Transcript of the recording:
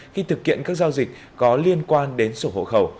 khi thực hiện các giao dịch có liên quan đến sổ hộ khẩu